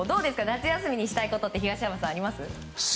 夏休みにしたいこと東山さん、あります？